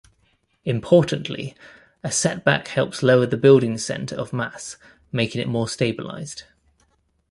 Importantly, a setback helps lower the building center of mass, making it more stabilized.